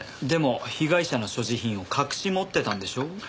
でも被害者の所持品を隠し持ってたんでしょう？